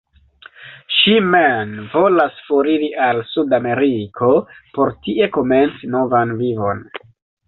Ŝi men volas foriri al Sud-Ameriko por tie komenci novan vivon.